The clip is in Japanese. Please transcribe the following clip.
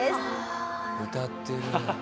歌ってる。